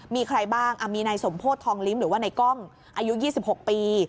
มีใครบ้างมีนายสมโพธิทองลิ้มหรือว่าในกล้องอายุ๒๖ปี